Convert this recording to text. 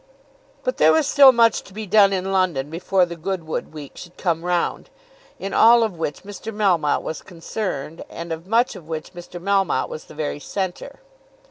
But there was still much to be done in London before the Goodwood week should come round in all of which Mr. Melmotte was concerned, and of much of which Mr. Melmotte was the very centre.